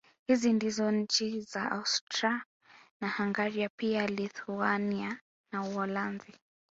Hizi ndizo nchi za Austria na Hungari pia Lithuania na Uholanzi